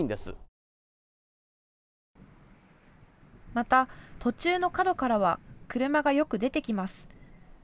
また、途中の角からは車がよく出てきます。